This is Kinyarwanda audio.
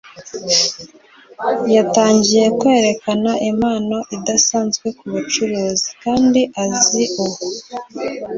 yatangiye kwerekana impano idasanzwe kubucuruzi, kandi azi uwo